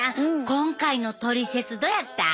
今回のトリセツどやった？